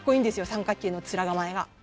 三角形の面構えが。